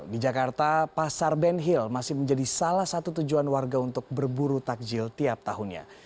di jakarta pasar benhil masih menjadi salah satu tujuan warga untuk berburu takjil tiap tahunnya